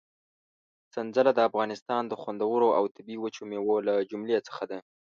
سنځله د افغانستان د خوندورو او طبي وچو مېوو له جملې څخه ده.